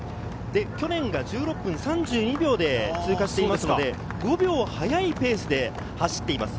去年が１６分３２秒で通過していますので、５秒速いペースで走っています。